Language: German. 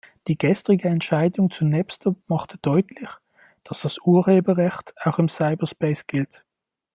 Die gestrige Entscheidung zu Napster machte deutlich, dass das Urheberrecht auch im Cyberspace gilt.